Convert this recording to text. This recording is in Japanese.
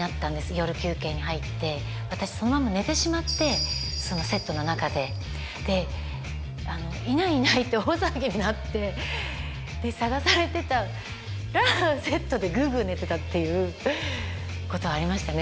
夜休憩に入って私そのまま寝てしまってそのセットの中ででいないいないって大騒ぎになって捜されてたらセットでぐうぐう寝てたっていうことはありましたね